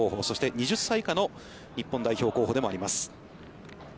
そして２０歳以下の日本代表候補でもあります。